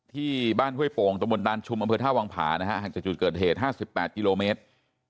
ที่บ้านห้วยโป่งตะมนตานชุมอำเภอท่าวังผานะฮะห่างจากจุดเกิดเหตุ๕๘กิโลเมตร